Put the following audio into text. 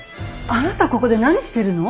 あなたここで何してるの？